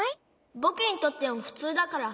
ぼくにとってのふつうだから。